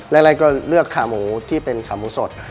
แรกก็เลือกขาหมูที่เป็นขาหมูสด